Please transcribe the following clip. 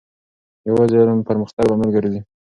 یوازې علم د پرمختګ لامل ګرځي.